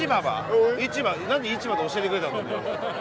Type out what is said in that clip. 何で「市場」で教えてくれたんだ？